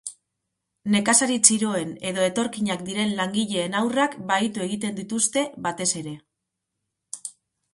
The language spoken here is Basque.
Nekazari txiroen edo etorkinak diren langileen haurrak bahitu egiten dituzte batez ere.